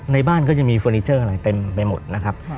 ในบ้านก็จะมีเฟอร์นิเจอร์อะไรเต็มไปหมดนะครับ